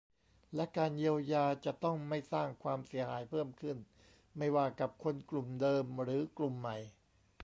และการเยียวยาจะต้องไม่สร้างความเสียหายเพิ่มขึ้น ไม่ว่ากับคนกลุ่มเดิมหรือกลุ่มใหม่